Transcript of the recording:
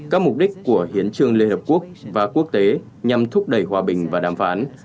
các mục đích của hiến trương liên hợp quốc và quốc tế nhằm thúc đẩy hòa bình và đàm phán